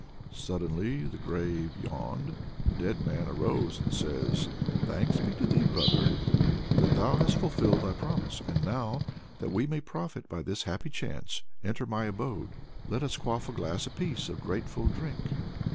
Suddenly the grave yawned, the dead man arose, and said: "Thanks be to thee, brother, that thou hast fulfilled thy promise. And now, that we may profit by this happy chance, enter my abode. Let us quaff a glass apiece of grateful drink."